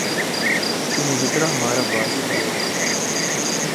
کیونکہ جتنا ہمارا بازو مروڑنا تھا۔